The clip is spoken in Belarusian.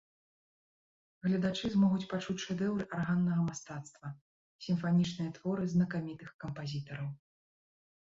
Гледачы змогуць пачуць шэдэўры арганнага мастацтва, сімфанічныя творы знакамітых кампазітараў.